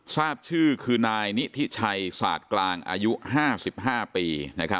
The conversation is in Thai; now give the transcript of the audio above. ทราบชื่อคือนายนิธิชัยศาสตร์กลางอายุ๕๕ปี